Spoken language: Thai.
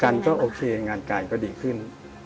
ภาพรวมของราศีกรรมย์ก็โอเคงานกายก็ดีขึ้น